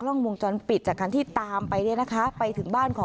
หน้าผู้ใหญ่ในจังหวัดคาดว่าไม่คนใดคนหนึ่งนี่แหละนะคะที่เป็นคู่อริเคยทำรักกายกันมาก่อน